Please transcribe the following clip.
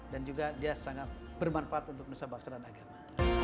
dan juga dia sangat bermanfaat untuk menusahabatkan agama